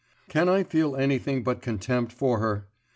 Can I feel anything but contempt for her?